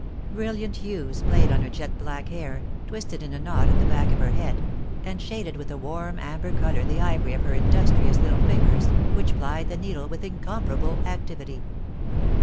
Brilliant hues played on her jet black hair, twisted in a knot at the back of her head, and shaded with a warm amber colour the ivory of her industrious little fingers, which plied the needle with incomparable activity.